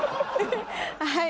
はい。